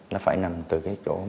nó phải nằm từ cái chỗ